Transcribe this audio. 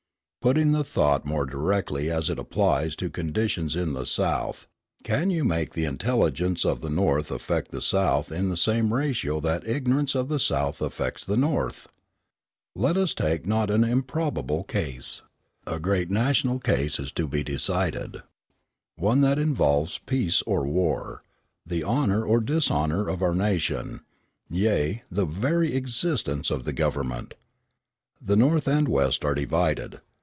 Putting the thought more directly as it applies to conditions in the South, can you make the intelligence of the North affect the South in the same ratio that the ignorance of the South affects the North? Let us take a not improbable case: A great national case is to be decided, one that involves peace or war, the honour or dishonour of our nation, yea, the very existence of the government. The North and West are divided.